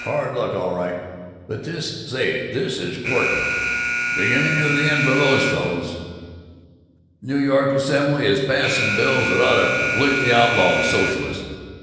Hard luck, all right. But this, say, this is corking! Beginning of the end for those fellows! New York Assembly has passed some bills that ought to completely outlaw the socialists!